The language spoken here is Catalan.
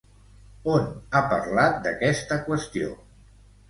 On ha parlat d'aquesta qüestió?